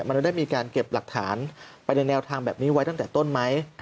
มันได้มีการเก็บหลักฐานไปในแนวทางแบบนี้ไว้ตั้งแต่ต้นไหม